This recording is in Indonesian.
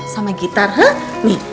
sama gitar he nih